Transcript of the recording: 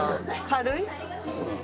軽い？